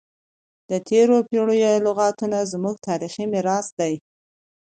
د تیرو پیړیو لغتونه زموږ تاریخي میراث دی.